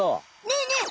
ねえねえ